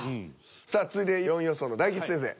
さあ続いて４位予想の大吉先生。